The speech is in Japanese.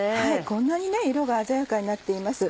こんなに色が鮮やかになっています。